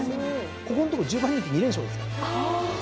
ここんとこ１０番人気２連勝ですから。